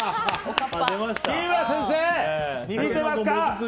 日村先生、見てますか！